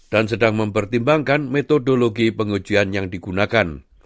dan sedang mempertimbangkan metodologi pengujian yang digunakan